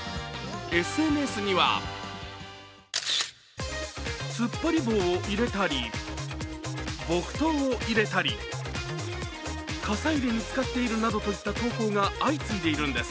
ＳＮＳには突っ張り棒を入れたり、木刀を入れたり傘入れに使っているなどといった投稿が相次いでいるんです。